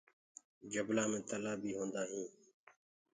جبلآ مي تلآه بي هوندآ هينٚ۔